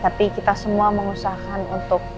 tapi kita semua mengusahakan untuk